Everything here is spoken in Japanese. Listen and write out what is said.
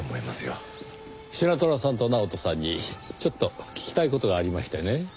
シナトラさんと直人さんにちょっと聞きたい事がありましてね。